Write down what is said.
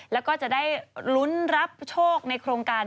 แล้วก็จะได้ลุ้นรับโชคในโครงการ